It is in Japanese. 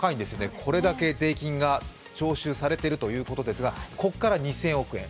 これだけ税金が徴収されているということですがここから２０００億円。